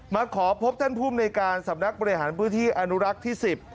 มาขอพบท่านภูมิในการสำนักบริหารพื้นที่อนุรักษ์ที่๑๐